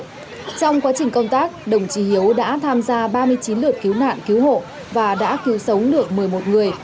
trong quá trình công tác đồng chí hiếu đã tham gia ba mươi chín lượt cứu nạn cứu hộ và đã cứu sống được một mươi một người